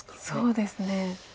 そうですね。